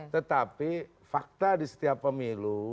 tetapi fakta di setiap pemilu